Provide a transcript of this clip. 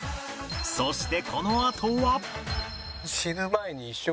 そしてこのあとは